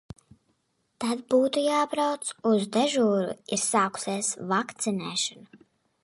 Tad būtu jābrauc uz dežūru. Ir sākusies vakcinēšana.